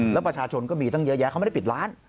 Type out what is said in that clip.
แล้วประชาชนก็มีตั้งเยอะแยะเขาไม่ได้ปิดร้าน